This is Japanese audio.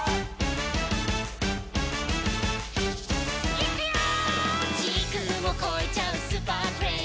「いくよー！」